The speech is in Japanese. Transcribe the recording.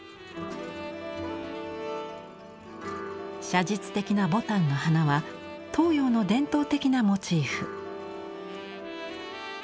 写実的な牡丹の花は東洋の伝統的なモチーフ。